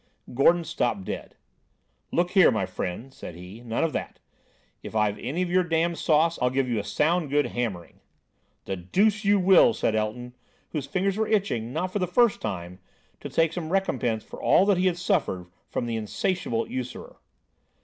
Gordon stopped dead. "Look here, my friend," said he; "none of that. If I've any of your damned sauce, I'll give you a sound good hammering." "The deuce you will!" said Elton, whose fingers were itching, not for the first time, to take some recompense for all that he had suffered from the insatiable usurer.